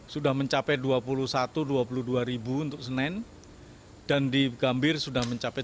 sudah mencapai dua puluh satu dua puluh dua untuk senen dan di gambir sudah mencapai tiga puluh